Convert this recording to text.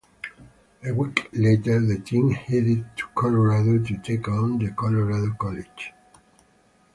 A week later the team headed to Colorado to take on the Colorado College.